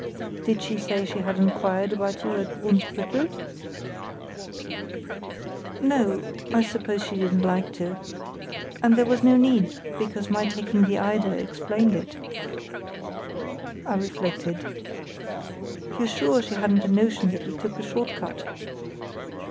"Did she say she had inquired about you at Brunsbüttel?" "No; I suppose she didn't like to. And there was no need, because my taking the Eider explained it." I reflected. "You're sure she hadn't a notion that you took the short cut?"